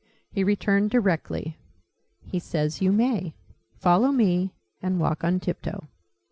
He returned directly. "He says you may. Follow me, and walk on tip toe."